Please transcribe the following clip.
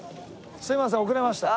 すいません遅れました。